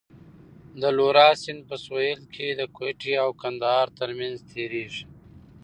د لورا سیند په سوېل کې د کویټې او کندهار ترمنځ تېرېږي.